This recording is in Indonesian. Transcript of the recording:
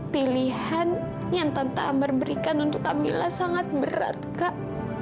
pilihan yang tante ammer berikan untuk kamila sangat berat kak